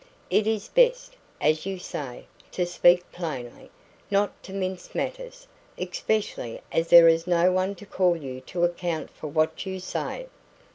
"It is best, as you say, to speak plainly not to mince matters especially as there is no one to call you to account for what you say."